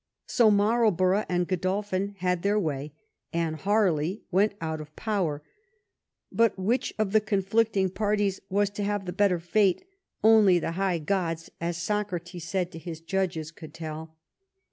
So Marlborough and Godolphin had their way, and Har ley went out of power, but which of the conflicting par ties was to have the better fate only the high gods, as Socrates said to his judges, could tell.